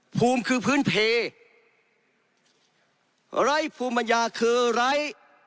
ภูมิคือพื้นเพลไร้ภูมิปัญญาคือไร้